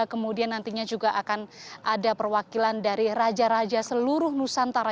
kemudian nantinya juga akan ada perwakilan dari raja raja seluruh nusantara